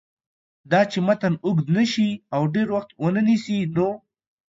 داچې متن اوږد نشي او ډېر وخت ونه نیسي نو